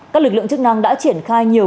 các lực lượng chức năng đã triển khai nhiều